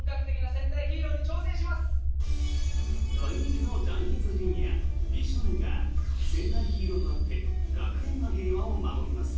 大人気のジャニーズＪｒ．美少年が戦隊ヒーローとなって学園の平和を守ります。